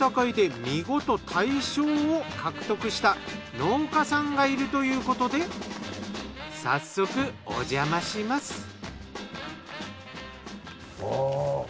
見事大賞を獲得した農家さんがいるということで早速おじゃまします。